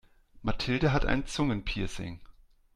Mathilde hat ein Zungenpiercing.